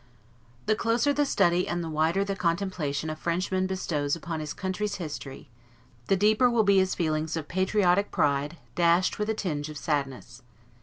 The closer the study and the wider the contemplation a Frenchman bestows upon his country's history, the deeper will be his feelings of patriotic pride, dashed with a tinge of sadness.